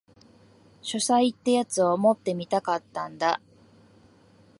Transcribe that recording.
書斎ってやつを持ってみたかったんだ